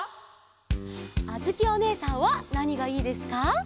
あづきおねえさんはなにがいいですか？